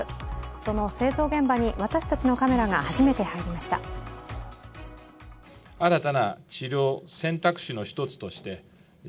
その製造現場に私たちのカメラが初めて入りました。